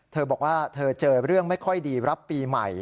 เธอบอกว่าเธอเจอเรื่องไม่ค่อยดีรับปีใหม่